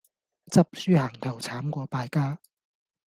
執輸行頭慘過敗家